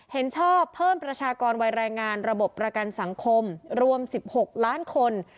เห็นชอบเพิ่มประชากรวัยแรงงานระบบประกันสังคมรวม๑๖ล้านคน